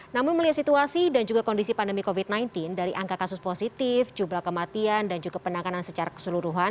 namun melihat situasi dan juga kondisi pandemi covid sembilan belas dari angka kasus positif jumlah kematian dan juga penanganan secara keseluruhan